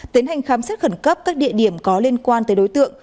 tiến hành khám xét khẩn cấp các địa điểm có liên quan tới đối tượng